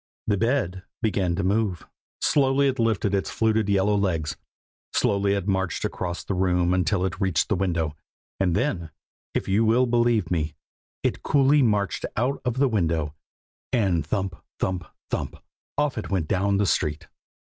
The bed began to move! slowly it lifted its fluted yellow legs, slowly it marched across the room until it reached the window, and then, if you will believe me, it coolly marched out of the window, and thump! thump! thump! off it went down the street.